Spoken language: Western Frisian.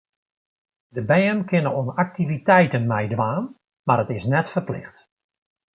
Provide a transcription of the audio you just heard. De bern kinne oan aktiviteiten meidwaan, mar it is net ferplicht.